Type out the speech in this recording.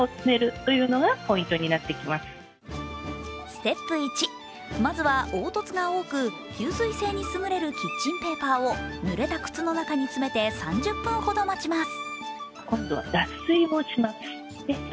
ステップ１、まずは凹凸が多く吸水性に優れるキッチンペーパーをぬれた靴の中に詰めて３０分ほど待ちます。